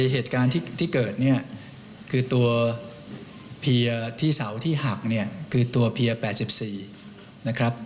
เหตุการณ์ที่เกิดคือตัวเพียร์ที่เสาที่หักคือตัวเพียร์๘๔